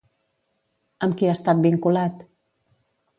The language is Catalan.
Amb qui ha estat vinculat?